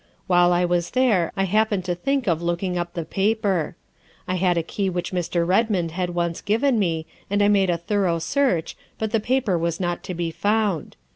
While I was there I happened to think of looking up the paper. I had a key which Mr. Redmond had once given me, and I made a thorough search, but the paper was not to be found.